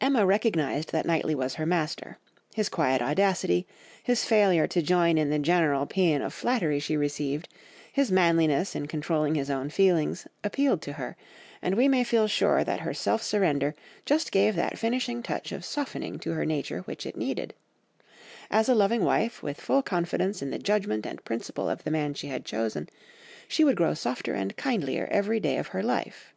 Emma recognised that Knightley was her master, his quiet audacity, his failure to join in the general pæan of flattery she received, his manliness in controlling his own feelings, appealed to her, and we may feel sure that her self surrender just gave that finishing touch of softening to her nature which it needed; as a loving wife with full confidence in the judgment and principle of the man she had chosen, she would grow softer and kindlier every day of her life.